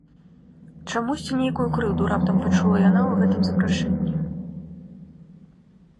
Чамусьці нейкую крыўду раптам пачула яна ў гэтым запрашэнні.